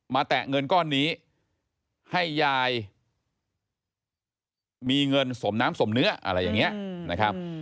แตะเงินก้อนนี้ให้ยายมีเงินสมน้ำสมเนื้ออะไรอย่างนี้นะครับ